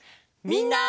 みんな！